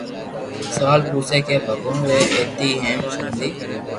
سوال پوسي ڪي ڀگوان ري ايتي ھيم دوندي